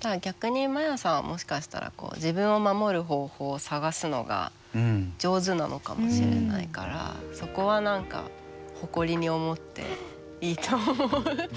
だから逆にマヤさんはもしかしたら自分を守る方法を探すのが上手なのかもしれないからそこは何か誇りに思っていいと思う。